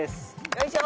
よいしょ！